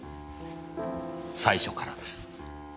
最初からです。